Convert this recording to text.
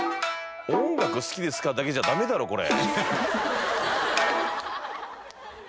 「音楽好きですか？」だけじゃダメだろこれ。